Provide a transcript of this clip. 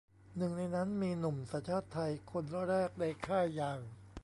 หนึ่งในนั้นมีหนุ่มสัญชาติไทยคนแรกในค่ายอย่าง